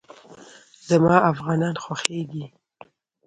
زما افغانان خوښېږي